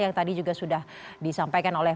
yang tadi juga sudah disampaikan oleh